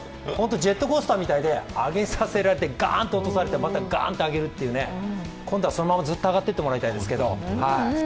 ジェットコースターみたいで上げさせられてガンと落とされて、またガンと上げるという、今度はそのままずっと上がっていってもらいたいですけど。